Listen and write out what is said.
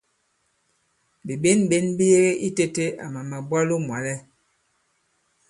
Bìɓěnɓěn bi yege itēte àmà màbwalo mwàlɛ.